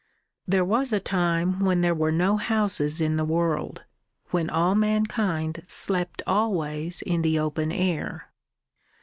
"There was a time when there were no houses in the world; when all mankind slept always in the open air."